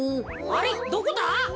あれっどこだ？